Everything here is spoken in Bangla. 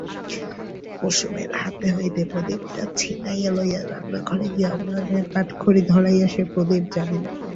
কুসুমের হাত হইতে প্রদীপটা ছিনাইয়া লইয়া রান্নাঘরে গিয়া উনানে পাটখড়ি ধরাইয়া সে প্রদীপ জ্বালিল।